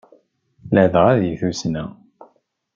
Ladɣa di tussna.